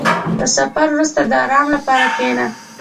• د سفر وروسته، د آرام لپاره کښېنه.